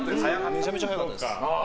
めちゃめちゃ速かったです。